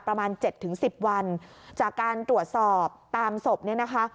ประมาณเจ็ดถึงสิบวันจากการตรวจสอบตามศพเนี่ยนะคะ